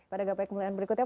pada gapai kemuliaan berikutnya